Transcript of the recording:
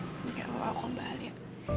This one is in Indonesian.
jangan lupa mbak alia